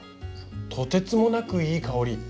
とてつもなくいい香り。